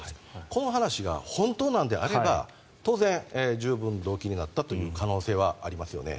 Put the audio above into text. この話が本当なのであれば当然、十分動機になったという可能性はありますよね。